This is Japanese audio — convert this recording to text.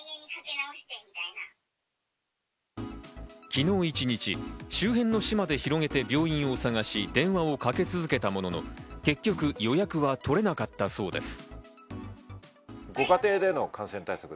昨日一日、周辺の市まで広げて病院を探し、電話をかけ続けたものの、結局予約は取れなかったそうです。